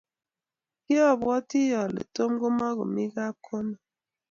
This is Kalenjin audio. kiabatii ale Tom komakomii kapkomen.